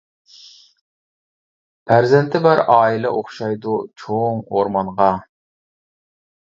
پەرزەنتى بار ئائىلە ئوخشايدۇ چوڭ ئورمانغا.